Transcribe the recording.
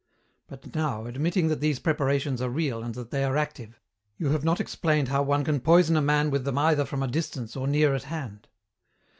"But now, admitting that these preparations are real and that they are active, you have not explained how one can poison a man with them either from a distance or near at hand."